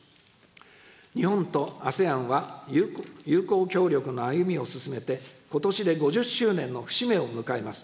日本とＡＳＥＡＮは友好協力の歩みを進めてことしで５０周年の節目を迎えます。